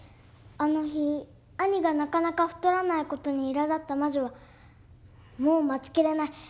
あの日兄がなかなか太らない事にいらだった魔女は「もう待ちきれない！